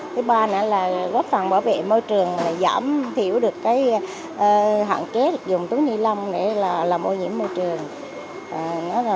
thứ ba nữa là góp phần bảo vệ môi trường giảm thiểu được hạn kết dùng túi nhi lông để làm ô nhiễm môi trường